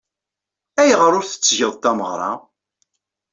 Ayɣer ur tettgeḍ tameɣra?